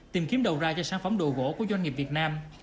tìm kiếm đầu ra cho sản phẩm đồ gỗ của doanh nghiệp việt nam